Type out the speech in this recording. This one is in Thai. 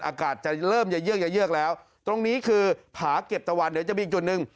อากาศจะเริ่มจะเยือกจะเยือกแล้วตรงนี้คือผาเก็บตะวันเดี๋ยวจะมีอีกจุดหนึ่ง